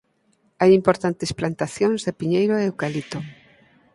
Hai importantes plantacións de piñeiro e eucalipto.